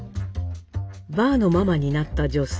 「バーのママになった女性。